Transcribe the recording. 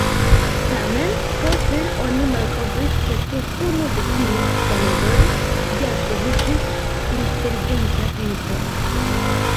Tamen poste oni malkovris, ke sur unu de ties planedoj ja troviĝis inteligenta vivo.